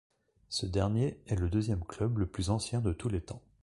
Ce dernier est le deuxième club le plus ancien de tous les temps.